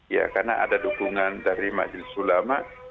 ya karena ada dukungan dari majelis ulama